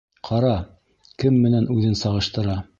Ҡара, кем менән үҙен сағыштыра!